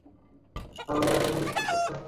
ভালো ফলাফলের জন্য তিনি স্বর্ণপদক প্রাপ্ত হন।